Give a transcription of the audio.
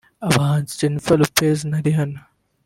abahanzi Jennifer Lopz na Rihanna